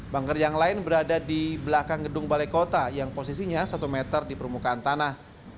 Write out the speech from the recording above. bunker yang lain berada di belakang gedung balai kota yang posisinya satu meter di permukaan tanah